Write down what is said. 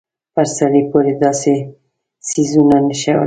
په سړي پورې داسې څيزونه نښلوي.